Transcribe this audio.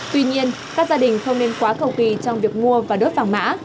tuy nhiên các gia đình không nên quá cầu kỳ trong việc mua và đốt vàng mã